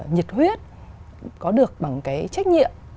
nhiệt huyết có được bằng cái trách nhiệm